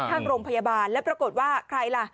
ข้างโรงพยาบาลแล้วปรากฏว่าใครล่ะ